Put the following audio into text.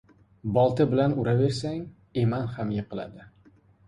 • Bolta bilan uraversang eman ham yiqiladi.